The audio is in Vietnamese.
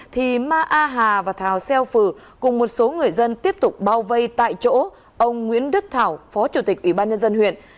thì ma a hà và thảo xeo phừ cùng một số người dân tiếp tục bao vây tại chỗ ông nguyễn đức thảo phó chủ tịch ủy ban nhân dân huyện